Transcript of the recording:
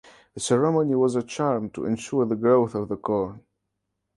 The ceremony was a charm to ensure the growth of the corn.